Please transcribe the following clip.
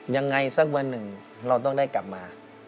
ยังไงสักวันหนึ่งเราต้องได้กลับมา